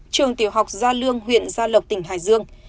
trường tiểu học gia lương huyện gia lộc tỉnh hải dương